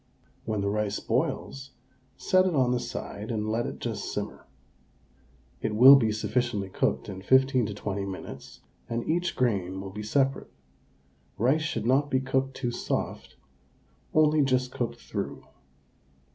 When the rice boils, set it on the side and let it just simmer. It will be sufficiently cooked in 15 to 20 minutes and each grain will be separate. Rice should not be cooked too soft, only just cooked through.